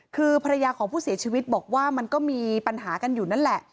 คือภรรยาของผู้เสียชีวิตบอกว่ามันก็มีปัญหากันอยู่นั่นแหละ